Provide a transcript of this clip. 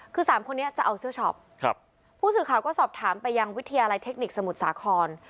คือสามคนนี้จะเอาเสื้อช็อปครับผู้สื่อข่าวก็สอบถามไปยังวิทยาลัยเทคนิคสมุทรสาคร